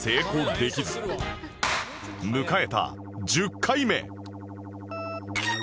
迎えた１０回目